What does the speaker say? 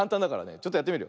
ちょっとやってみるよ。